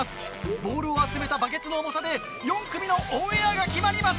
ボールを集めたバケツの重さで４組のオンエアが決まります！